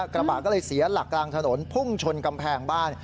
กระบะก็เลยเสียหลักกลางถนนพุ่งชนกำแพงบ้าน